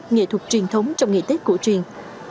nghệ thuật truyền thống trong nghị tết cổ truyền